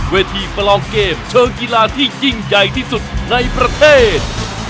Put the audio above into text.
ประลองเกมเชิงกีฬาที่ยิ่งใหญ่ที่สุดในประเทศ